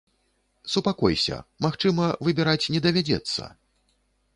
Супакойся, магчыма, выбіраць не давядзецца!